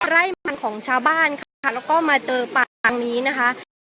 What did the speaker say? ไร่มันของชาวบ้านค่ะแล้วก็มาเจอป่าทางนี้นะคะ